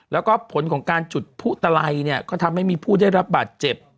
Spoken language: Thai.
แล้วก็ผลของการจุดผู้ตะไลเนี่ยก็ทำให้มีผู้ได้รับบาดเจ็บ